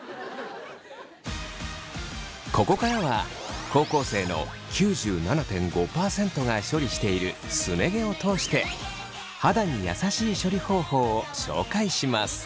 ここからは高校生の９７．５％が処理しているすね毛を通して「肌に優しい」処理方法を紹介します。